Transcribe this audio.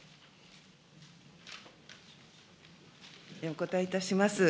お答えいたします。